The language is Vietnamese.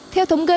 theo thống gây